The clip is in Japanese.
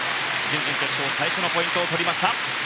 準々決勝最初のポイントを取りました。